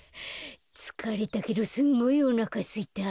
つかれたけどすんごいおなかすいた。